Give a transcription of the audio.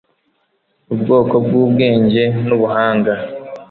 ubwoko bw'ubwenge n'ubuhanga